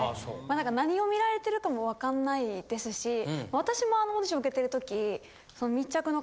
なんか何を見られてるかもわかんないですし私もあのオーディション受けてる時。